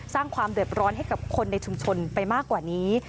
สร้างความเดือดร้อนให้กับคนในชุมชนไปมากกว่านี้